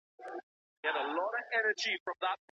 ايا استادان بايد د کورني ژوند لارښوونې بيان کړي؟